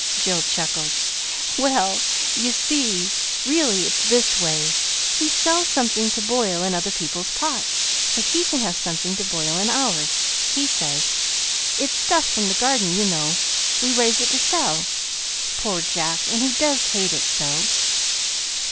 Jill chuckled. "Well, you see, really it's this way: he sells something to boil in other people's pots so he can have something to boil in ours, he says. It's stuff from the garden, you know. We raise it to sell. Poor Jack and he does hate it so!"